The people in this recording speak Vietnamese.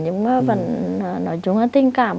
nhưng mà nói chung là tình cảm